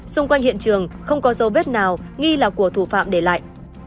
xung quanh hiện trường không có dấu vết nào nghi là của thủ phạm để lại